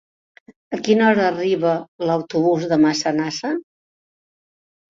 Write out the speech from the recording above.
A quina hora arriba l'autobús de Massanassa?